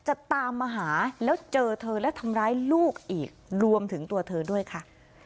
จะตามมาหาแล้วเจอเธอและทำร้ายลูกอีกรวมถึงตัวเธอด้วยค่ะ